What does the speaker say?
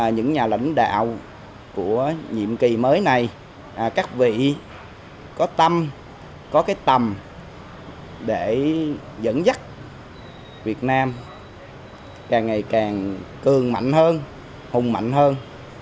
những nhà lãnh đạo của nhiệm kỳ mới này các vị có tâm có cái tầm để dẫn dắt việt nam càng ngày càng cường mạnh hơn hùng mạnh hơn